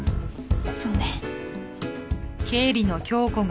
そうね。